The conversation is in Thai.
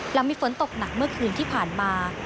หลังมีฝนตกหนักเมื่อคืนที่ผ่านมา